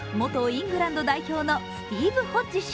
イングランド代表のスティーブ・ホッジ氏。